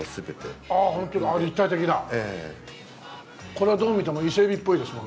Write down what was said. これはどう見てもイセエビっぽいですもんね。